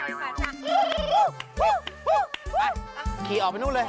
วู้วู้วู้วู้ขี่ออกไปนู่นเลย